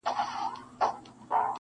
مطرب رباب د سُر او تال خوږې نغمې لټوم,